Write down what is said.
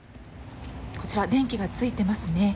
こちら、電気がついていますね。